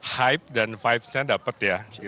hype dan vibesnya dapat ya